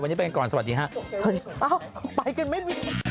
วันนี้ไปกันก่อนสวัสดีครับ